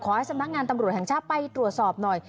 ขอให้สำนักงานตำรวจแห่งชาติไปตรวจสอบหน่อย